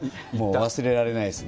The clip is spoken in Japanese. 忘れられないですね。